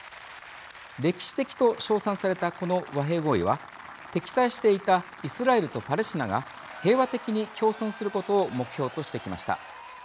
歴史的と称賛されたこの和平合意は敵対していたイスラエルとパレスチナが平和的に共存することを目標としてきました。